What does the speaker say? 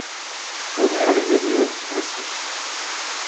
Omer l'aimait mieux ainsi.